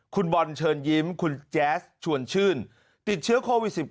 คุณบอลเชิญยิ้มคุณแจ๊สชวนชื่นติดเชื้อโควิด๑๙